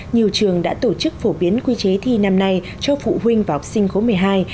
nhiều trường đã tổ chức phổ biến quy chế thi năm nay cho phụ huynh và học sinh khối một mươi hai